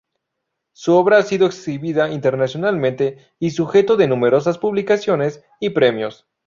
Su obra ha sido exhibida internacionalmente y sujeto de numerosas publicaciones y premios.